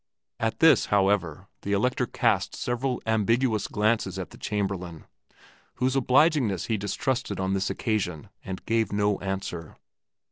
At this, however, the Elector cast several ambiguous glances at the Chamberlain, whose obligingness he distrusted on this occasion, and gave no answer.